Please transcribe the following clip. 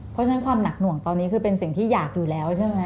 เพราะฉะนั้นความหนักหน่วงตอนนี้คือเป็นสิ่งที่อยากอยู่แล้วใช่ไหม